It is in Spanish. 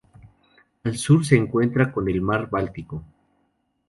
Al sur se encuentra con el Mar Báltico.